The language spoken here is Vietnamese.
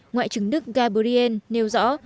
ngoại trưởng đức gabriel nêu rõ